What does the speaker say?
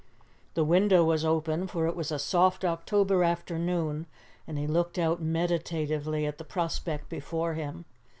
The window was open, for it was a soft October afternoon, and he looked out meditatively at the prospect before him.